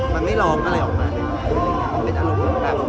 มันไม่ร้องอะไรออกมาอะไรอย่างเงี้ยมันเป็นอารมณ์ว่ามันแบบ